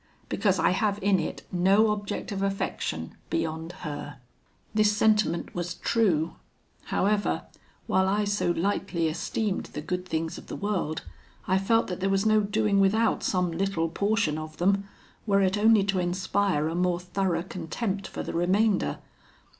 Because I have in it no object of affection beyond her. "This sentiment was true; however, while I so lightly esteemed the good things of the world, I felt that there was no doing without some little portion of them, were it only to inspire a more thorough contempt for the remainder.